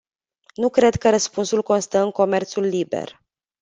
Nu cred că răspunsul constă în comerțul liber.